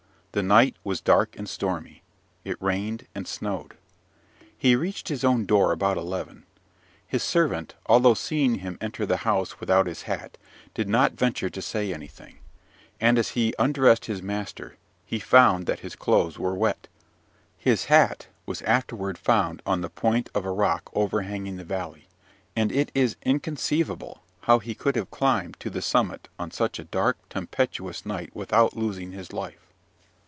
The night was dark and stormy, it rained and snowed. He reached his own door about eleven. His servant, although seeing him enter the house without his hat, did not venture to say anything; and; as he undressed his master, he found that his clothes were wet. His hat was afterward found on the point of a rock overhanging the valley; and it is inconceivable how he could have climbed to the summit on such a dark, tempestuous night without losing his life.